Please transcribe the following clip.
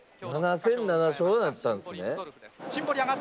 ７戦７勝だったんすね。